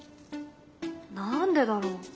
何でだろう？